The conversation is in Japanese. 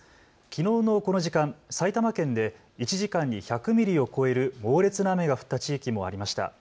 きのうのこの時間、埼玉県で１時間に１００ミリを超える猛烈な雨が降った地域もありました。